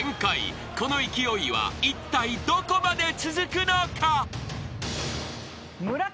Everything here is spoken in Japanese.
［この勢いはいったいどこまで続くのか］